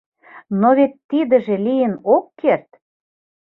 Но вет тидыже лийын ок керт!